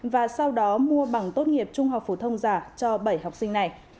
và sau đó mua bằng tốt nghiệp trung học phổ thông giả cho bảy học sinh này